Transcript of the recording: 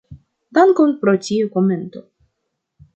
Dankon pro tiu komento.